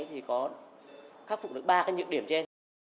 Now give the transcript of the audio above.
thì có khắc phục được ba cái nhược điểm trên